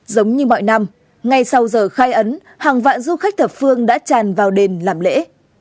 giống như mọi năm ngay sau giờ khai ấn hàng vạn du khách thập phương đã tràn vào đền làm lễ